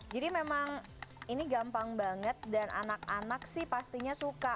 jadi memang ini gampang banget dan anak anak sih pastinya suka